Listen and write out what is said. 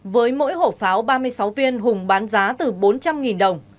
với mỗi hộp pháo ba mươi sáu viên hùng bán giá từ bốn trăm linh đồng